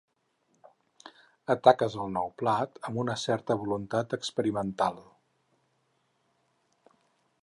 Ataques el nou plat amb una certa voluntat experimental.